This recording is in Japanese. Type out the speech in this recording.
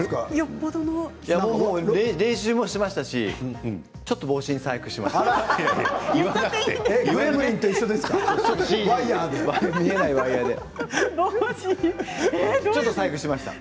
練習もしましたしちょっと帽子に細工をしました。